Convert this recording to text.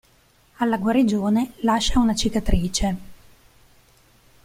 Alla guarigione lascia una cicatrice.